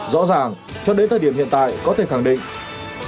rõ ràng cho đến thời điểm hiện tại có thể khẳng định